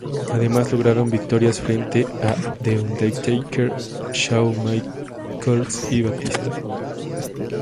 Además lograron victorias frente a The Undertaker, Shawn Michaels y Batista.